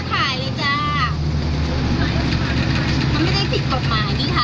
ก็ถ่ายเลยจ้า